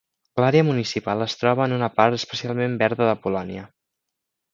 L'àrea municipal es troba en una part especialment verda de Polònia.